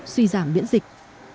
suy giảm biễn dịch